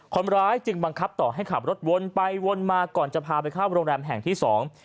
คนร้ายจึงบังคับต่อให้ขับรถวนไปวนมาก่อนจะพาไปเข้าโรงแรมแห่งที่สอง